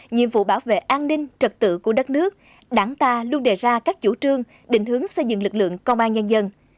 nhiệm vụ bảo vệ an ninh trật tự của đất nước đảng ta luôn đề ra các chủ trương định hướng xây dựng lực lượng công an nhân dân